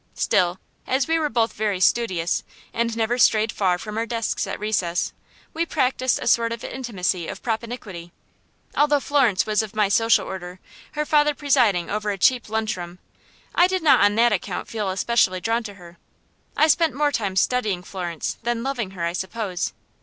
Still, as we were both very studious, and never strayed far from our desks at recess, we practised a sort of intimacy of propinquity. Although Florence was of my social order, her father presiding over a cheap lunch room, I did not on that account feel especially drawn to her. I spent more time studying Florence than loving her, I suppose.